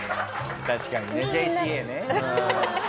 確かにねＪＣＡねうん。